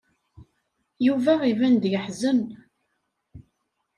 Yuba iban-d yeḥzen.